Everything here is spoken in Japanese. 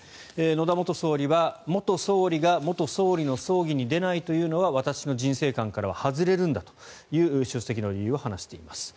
野田元総理は、元総理が元総理の葬儀に出ないというのは私の人生観からは外れるんだという出席の理由を話しています。